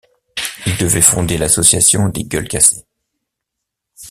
Ils devaient fonder l'association des Gueules Cassées.